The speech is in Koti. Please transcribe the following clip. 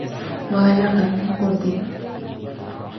Waalaca mwi eKoty